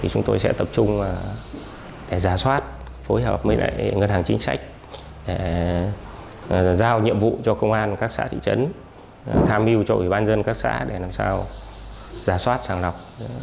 chúng tôi sẽ tập trung rà soát phối hợp với ngân hàng chính sách giao nhiệm vụ cho công an các xã thị trấn tham yêu cho ủy ban dân các xã để làm sao rà soát sàng lọc